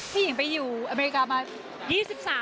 พี่หญิงไปอยู่อเมริกามา๒๓ปีแล้วค่ะ